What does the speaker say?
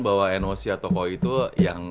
bahwa noc atau itu yang